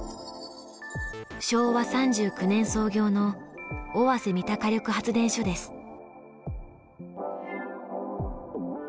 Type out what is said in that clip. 昭和３９年操業の尾鷲三田火力発電所です。